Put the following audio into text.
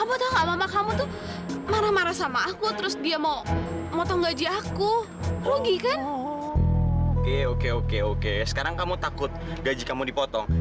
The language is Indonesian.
oke oke oke oke sekarang kamu takut gaji kamu dipotong